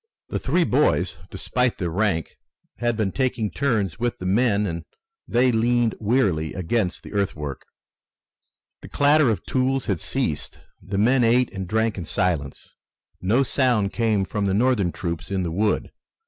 The three boys, despite their rank, had been taking turns with the men and they leaned wearily against the earthwork. The clatter of tools had ceased. The men ate and drank in silence. No sound came from the Northern troops in the wood.